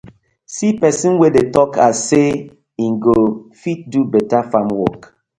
See pesin wey dey tok as say im go fit do betta farm wok.